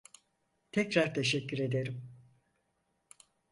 Tekrar teşekkür ederim.